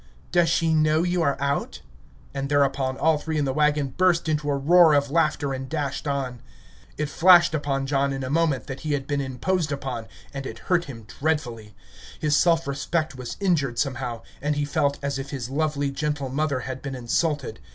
"Does she know you are out?" And thereupon all three in the wagon burst into a roar of laughter, and dashed on. It flashed upon John in a moment that he had been imposed on, and it hurt him dreadfully. His self respect was injured somehow, and he felt as if his lovely, gentle mother had been insulted.